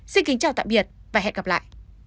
xin kính chào tạm biệt và hẹn gặp lại